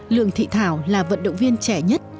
lường thị thảo là vận động viên trẻ nhất